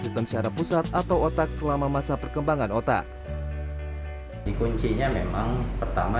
sistem syaraf pusat atau otak selama masa perkembangan otak di kuncinya memang pertama